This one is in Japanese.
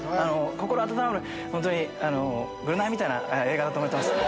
心温まる『ぐるナイ』みたいな映画だと思ってます。